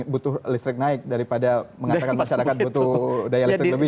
butuh listrik naik daripada mengatakan masyarakat butuh daya listrik lebih